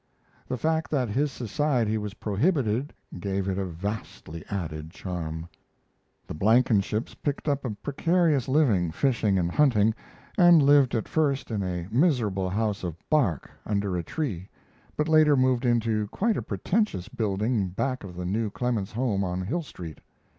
The fact that his society was prohibited gave it a vastly added charm. The Blankenships picked up a precarious living fishing and hunting, and lived at first in a miserable house of bark, under a tree, but later moved into quite a pretentious building back of the new Clemens home on Hill Street.